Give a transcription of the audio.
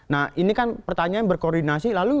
nah ini kan pertanyaan berkoordinasi lalu